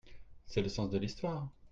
C’est le sens de l’histoire.